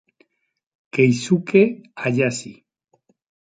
Keisuke Hayashi